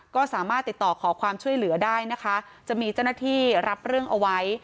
ก็สามารถติดต่อขอความช่วยเหลือได้นะคะจะมีเจ้าหน้าที่รับเรื่องเอาไว้